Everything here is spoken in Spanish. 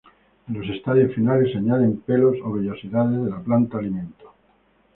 En los estadios finales añaden pelos o vellosidades de la planta alimento.